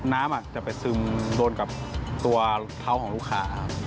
น้ำอาจจะไปซึมโดนกับตัวเท้าของลูกค้า